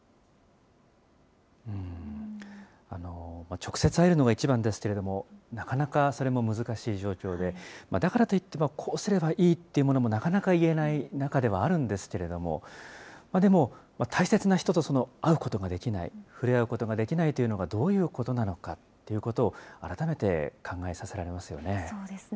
直接会えるのが一番ですけれども、なかなかそれも難しい状況で、だからといって、こうすればいいというものもなかなか言えない中ではあるんですけれども、でも大切な人と会うことができない、触れ合うことができないというのが、どういうことなのかということを、改めて考えさせられますよね。